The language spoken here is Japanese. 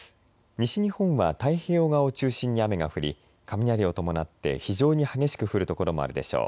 西日本は太平洋側を中心に雨が降り雷を伴って非常に激しく降る所もあるでしょう。